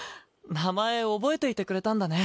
名前覚えていてくれたんだね。